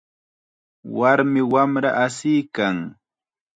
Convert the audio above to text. Warmi wamra asiykan.